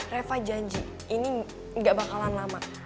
reva janji ini gak bakalan lama